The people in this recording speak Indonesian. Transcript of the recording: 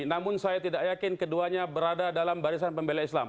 namun saya tidak yakin keduanya berada dalam barisan pembela islam